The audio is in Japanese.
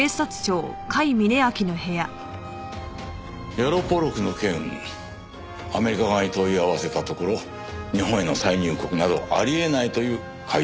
ヤロポロクの件アメリカ側に問い合わせたところ日本への再入国などあり得ないという回答だったそうだ。